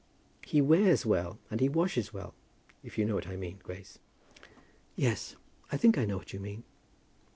He wears well, and he washes well, if you know what I mean, Grace." "Yes; I think I know what you mean."